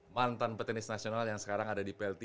mantan petenis nasional yang sekarang ada di plt